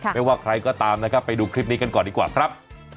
ไม่ว่าใครก็ตามนะครับไปดูคลิปนี้กันก่อนดีกว่าครับ